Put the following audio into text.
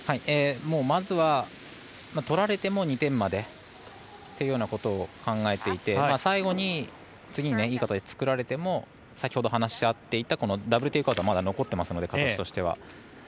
まずは取られても２点までというようなことを考えていて最後に、次にいい形を作られても先ほど話し合っていたダブルテイクアウトは残っていますので形としては。